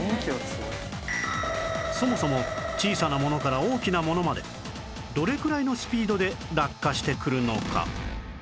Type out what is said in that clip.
そもそも小さなものから大きなものまでどれくらいのスピードで落下してくるのか？